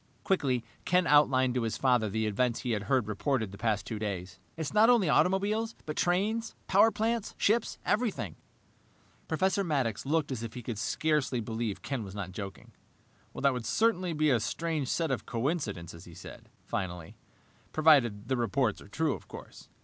Quickly, Ken outlined to his father the events he had heard reported the past two days. "It's not only automobiles, but trains, power plants, ships, everything " Professor Maddox looked as if he could scarcely believe Ken was not joking. "That would certainly be a strange set of coincidences," he said finally, "provided the reports are true, of course."